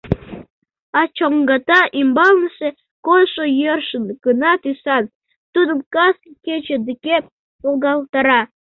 А чоҥгата ӱмбалнысе кожшо йӧршын кына тӱсан — тудым кас кече тыге волгалтара.